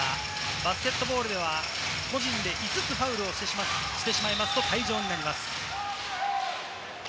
バスケットボールでは個人で５つ、ファウルをしてしまいますと退場になります。